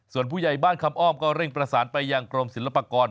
ส่วนผู้ใหญ่บ้านคำอ้อมก็เร่งประสานไปยังกรมศิลปากร